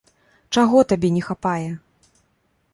Чаго табе не хапае?